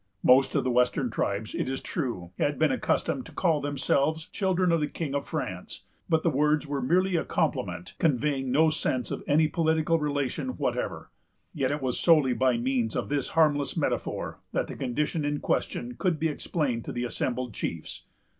Most of the western tribes, it is true, had been accustomed to call themselves children of the King of France; but the words were a mere compliment, conveying no sense of any political relation whatever. Yet it was solely by means of this harmless metaphor that the condition in question could be explained to the assembled chiefs.